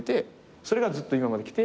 それがずっと今まできて。